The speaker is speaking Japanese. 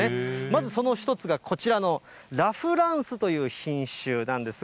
まずその一つがこちらの、ラ・フランスという品種なんです。